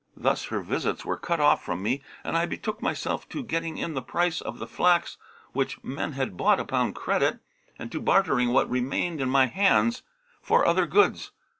Thus her visits were cut off from me and I betook myself to getting in the price of the flax which men had bought upon credit, and to bartering what remained in my hands for other goods.